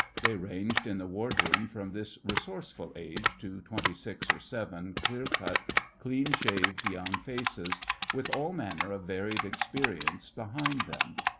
They ranged in the ward room from this resourceful age to twenty six or seven clear cut, clean shaved young faces with all manner of varied experience behind them.